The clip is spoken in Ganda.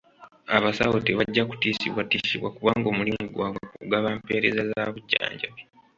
Abasawo tebajja kutiisibwatiisibwa kubanga omulimu gwabwe kugaba mpeereza za bujjanjabi.